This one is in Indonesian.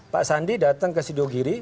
pak sandi datang ke sidogiri